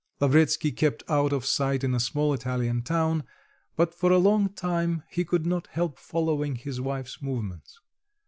Lavretsky kept out of sight in a small Italian town, but for a long time he could not help following his wife's movements.